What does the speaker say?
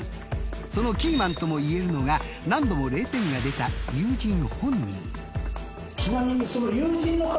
そのキーマンともいえるのが何度も０点が出た友人本人。